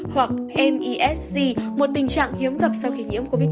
hoặc nisg một tình trạng hiếm gặp sau khi nhiễm covid một mươi chín